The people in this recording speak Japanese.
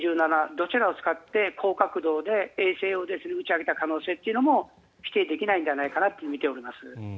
どちらかを使って高角度で衛星を打ち上げた可能性も否定できないのではないかなと見ております。